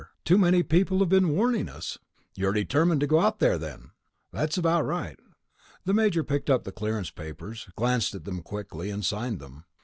Too many people have been warning us...." "You're determined to go out there, then?" "That's about right." The Major picked up the clearance papers, glanced at them quickly, and signed them.